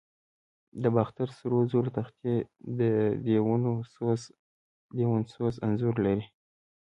د باختر سرو زرو تختې د دیونوسوس انځور لري